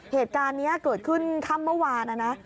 เหตุการณ์นี้เกิดขึ้นค่ำเมื่อวานนะนะ